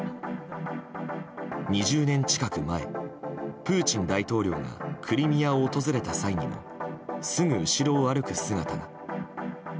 ２０年近く前、プーチン大統領がクリミアを訪れた際にもすぐ後ろを歩く姿が。